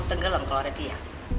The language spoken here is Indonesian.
tenggelam kalau ada dia